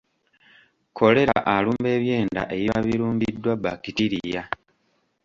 Kkolera alumba ebyenda ebiba birumbiddwa bbakitiriya.